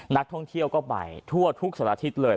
นักท่องเที่ยวก็ไปทั่วทุกสัตว์อาทิตย์เลย